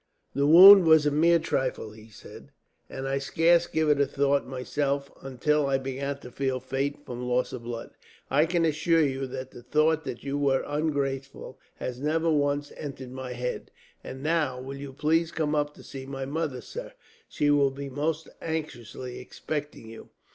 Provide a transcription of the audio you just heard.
"The wound was a mere trifle," he said, "and I scarce gave it a thought, myself, until I began to feel faint from loss of blood. I can assure you that the thought that you were ungrateful has never once entered my head." "And now, will you please come up to see my mother, sir. She will be most anxiously expecting you."